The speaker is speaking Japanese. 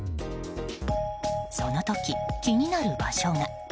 その時、気になる場所が。